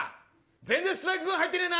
全然ストライクゾーン入ってねえな。